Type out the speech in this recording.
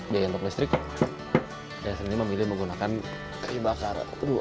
biaya untuk listrik dan sendiri memilih menggunakan kayu bakar kedua asyik uh uh uh uh uh uh uh